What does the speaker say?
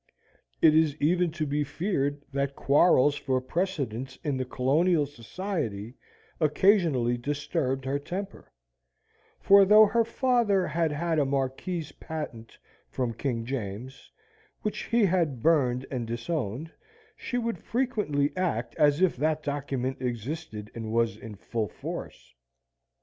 It is even to be feared that quarrels for precedence in the colonial society occasionally disturbed her temper; for though her father had had a marquis's patent from King James, which he had burned and disowned, she would frequently act as if that document existed and was in full force.